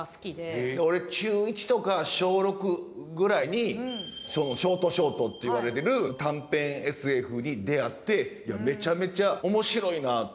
へえ俺中１とか小６ぐらいにショートショートっていわれてる短編ＳＦに出会っていやめちゃめちゃ面白いな。